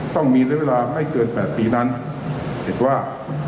ต้องมีเรียบร้อยเวลาไม่เกิน๘ปีนั้นเหตุว่า